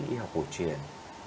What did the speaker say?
y học hồ chuyển